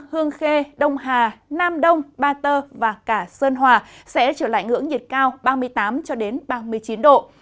hương khê đông hà nam đông ba tơ và cả sơn hòa sẽ trở lại ngưỡng nhiệt cao ba mươi tám ba mươi chín độ